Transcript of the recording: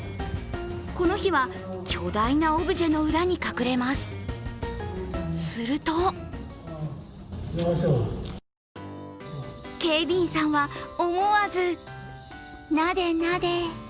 この日は、巨大なオブジェの裏に隠れます、すると警備員さんは、思わずナデナデ。